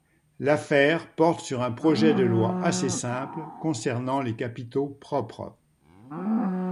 L'affaire porte sur un projet de loi assez simple concernant les capitaux propres.